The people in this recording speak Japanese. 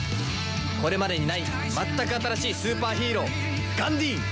これまでにない全く新しいスーパーヒーローガンディーン！